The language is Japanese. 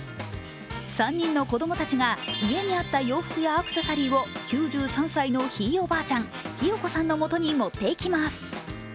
３人の子供たちが家にあった洋服やアクセサリーを９３歳のひいおばあちゃんきよ子さんのもとに持っていきます。